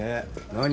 何？